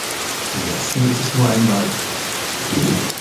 Im Westen ist es nur ein Wall.